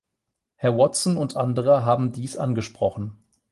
Herr Watson und andere haben dies angesprochen.